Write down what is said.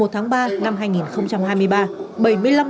một mươi một tháng ba năm hai nghìn hai mươi ba